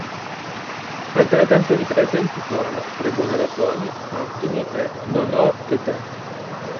Altre canzoni presenti sono: "Tre buone ragioni", "Attimi" e "Non ho che te".